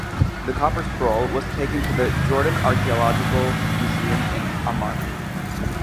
The Copper Scroll was taken to the Jordan Archaeological Museum in Amman.